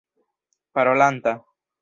parolanta